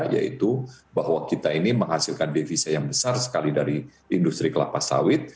yaitu bahwa kita ini menghasilkan devisa yang besar sekali dari industri kelapa sawit